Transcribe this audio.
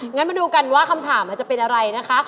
งั้นมาดูกันว่าคำถามมันจะเป็นอะไรนะคะ